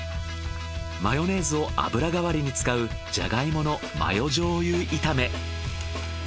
マヨネーズを油代わりに使うジャガイモのマヨ醤油炒め。